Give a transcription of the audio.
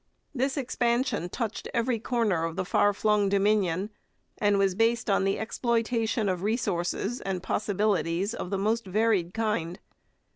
This expansion touched every corner of the far flung Dominion, and was based on the exploitation of resources and possibilities of the most varied kind.